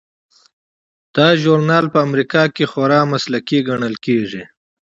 دا ژورنال په امریکا کې خورا مسلکي ګڼل کیږي.